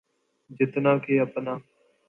جتنا کہ اپنا۔